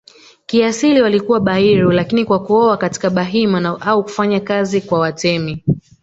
kiasili walikuwa Bairu lakini kwa kuoa katika Bahima au kufanya kazi kwa Watemi